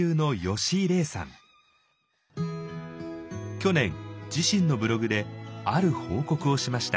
去年自身のブログである報告をしました。